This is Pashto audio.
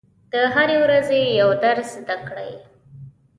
د هرې ورځې یو درس زده کړئ.